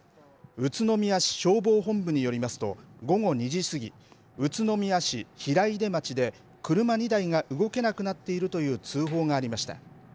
宇都宮市消防本部によりますと、午後２時過ぎ、宇都宮市平出町で、車２台が動けなくなっているという通報がありました。